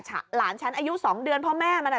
หลานฉันอายุสองเดือนเพราะแม่มันอ่ะ